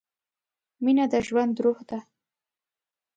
مینه د ژوند روح ده.